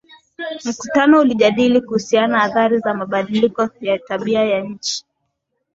Mkutano ulijadili kuhusu athari za mabadiliko ya tabia ya nchi